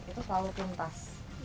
itu selalu tuntas